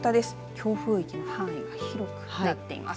強風域の範囲が広くなっています。